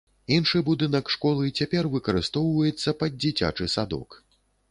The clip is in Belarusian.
Іншы будынак школы цяпер выкарыстоўваецца пад дзіцячы садок.